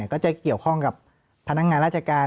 ก็จะเกี่ยวข้องกับพนักงานราชการ